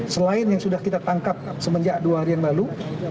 selain yang sudah kita tangkap semenjak dua harian lalu